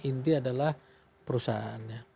inti adalah perusahaan